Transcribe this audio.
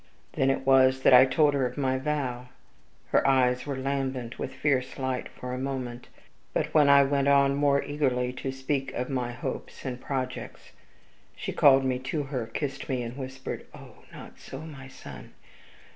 Then it was that I told her of my vow. Her eyes were lambent with fierce light for a moment; but, when I went on more eagerly to speak of my hopes and projects, she called me to her kissed me, and whispered: 'Oh, not so, my son!